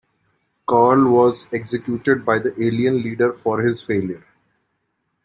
Carl was executed by the Alien Leader for his failure.